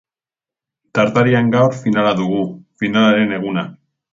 Tartarian gaur, finala dugu, finalaren eguna da.